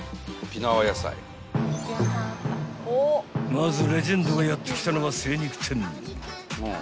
［まずレジェンドがやって来たのは精肉店］